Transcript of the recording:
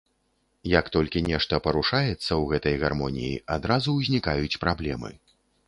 Як толькі нешта парушаецца ў гэтай гармоніі, адразу ўзнікаюць праблемы.